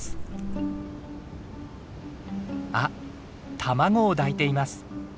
あっ卵を抱いています。